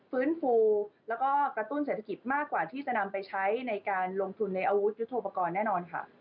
ฟื้นฟูแล้วก็กระตุ้นเศรษฐกิจมากกว่าที่จะนำไปใช้ในการลงทุนในอาวุธยุทธโปรกรณ์แน่นอนค่ะ